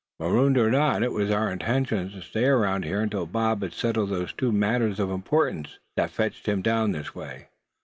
"Marooned or not, it was our intention to stay around here until Bob had settled those two matters of importance that fetched him down this way."